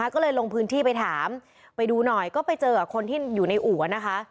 ก็เลยลงพื้นที่ไปถามไปดูหน่อยก็ไปเจอกับคนที่อยู่ในอู่นะคะ